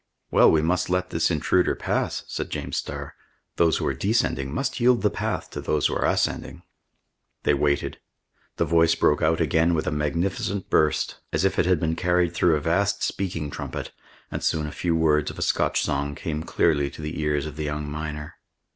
"Well, we must let this intruder pass," said James Starr. "Those who are descending must yield the path to those who are ascending." They waited. The voice broke out again with a magnificent burst, as if it had been carried through a vast speaking trumpet; and soon a few words of a Scotch song came clearly to the ears of the young miner.